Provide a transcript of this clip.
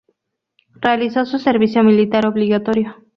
Realizó su servicio militar obligatorio.